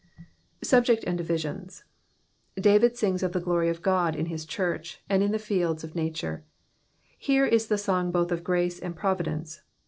Subject and Diyi^ions.— 2>atn(i sings of the glory of Ood in his church, and in the fields of nature : here is the song both of grace and providence.